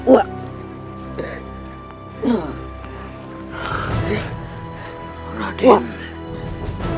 uak tidak apa apa